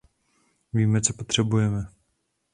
Víme, co potřebujeme.